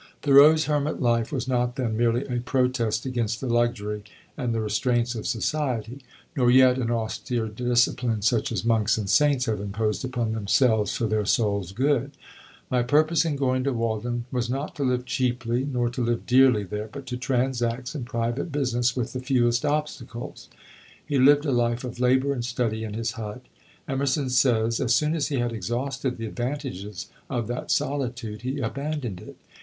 Thoreau's hermit life was not, then, merely a protest against the luxury and the restraints of society, nor yet an austere discipline such as monks and saints have imposed upon themselves for their souls' good. "My purpose in going to Walden was not to live cheaply, nor to live dearly there, but to transact some private business with the fewest obstacles." He lived a life of labor and study in his hut. Emerson says, "as soon as he had exhausted the advantages of that solitude, he abandoned it."